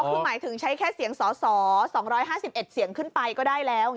คือหมายถึงใช้แค่เสียงสส๒๕๑เสียงขึ้นไปก็ได้แล้ว